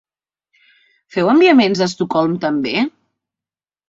Feu enviaments a Estocolm també?